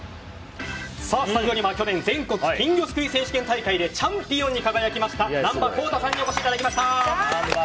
スタジオには去年全国金魚すくい選手権大会でチャンピオンに輝きました難波輝大さんにお越しいただきました。